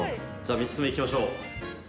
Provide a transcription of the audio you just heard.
３つ目いきましょう。